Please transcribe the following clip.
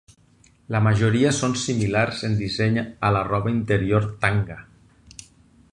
La majoria són similars en disseny a la roba interior tanga.